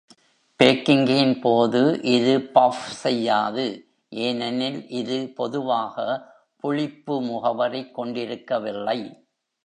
பேக்கிங்கின் போது இது பஃப் செய்யாது, ஏனெனில் இது பொதுவாக புளிப்பு முகவரைக் கொண்டிருக்கவில்லை.